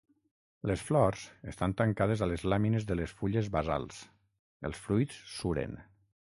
Les flors estan tancades a les làmines de les fulles basals, els fruits suren.